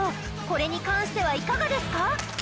これに関してはいかがですか？